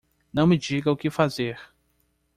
Não me diga o que fazer!